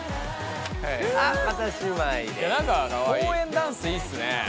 ダンスいいっすね。